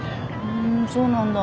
うんそうなんだ。